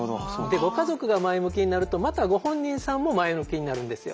ご家族が前向きになるとまたご本人さんも前向きになるんですよ。